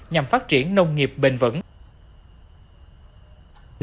nhằm phát triển nông nghiệp bền vững